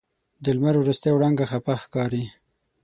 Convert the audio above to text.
د لمر وروستۍ وړانګه خفه ښکاري